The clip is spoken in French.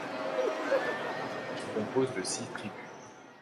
Elle se compose de six tribus.